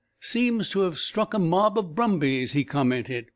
"Seems to have struck a mob of brumbies," he commented.